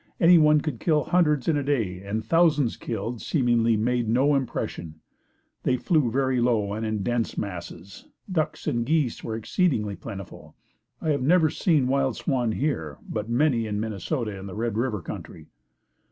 Anyone could kill hundreds in a day and thousands killed, seemingly made no impression. They flew very low and in dense masses. Ducks and geese were exceedingly plentiful. I have never seen wild swan here, but many in Minnesota in the Red River country.